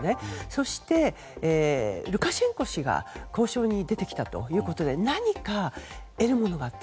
そして、ルカシェンコ氏が交渉に出てきたということで何か得るものがあった。